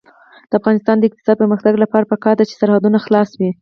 د افغانستان د اقتصادي پرمختګ لپاره پکار ده چې سرحدونه خلاص وي.